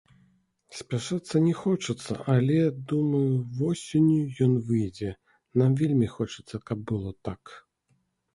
Спяшацца не хочацца, але, думаю, восенню ён выйдзе, нам вельмі хочацца, каб было так.